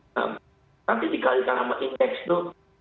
nanti dikalikan sama indeks itu empat ratus tiga puluh sembilan